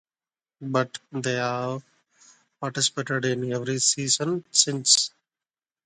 But they have participated in every season since.